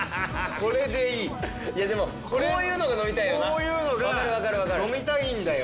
こういうのが飲みたいんだよ